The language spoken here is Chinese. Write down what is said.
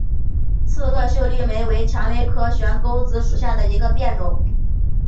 刺萼秀丽莓为蔷薇科悬钩子属下的一个变种。